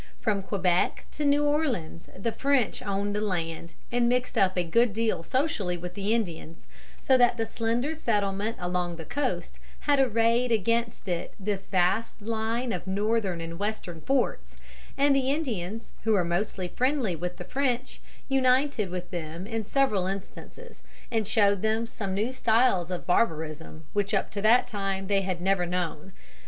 From Quebec to New Orleans the French owned the land, and mixed up a good deal socially with the Indians, so that the slender settlement along the coast had arrayed against it this vast line of northern and western forts, and the Indians, who were mostly friendly with the French, united with them in several instances and showed them some new styles of barbarism which up to that time they had never known about.